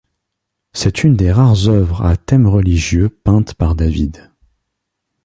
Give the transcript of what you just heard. C'est une des rares œuvres à thèmes religieux peintes par David.